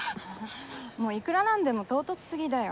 もういくらなんでも唐突すぎだよ。